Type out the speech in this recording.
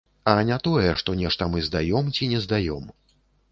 А не тое, што нешта мы здаём ці не здаём.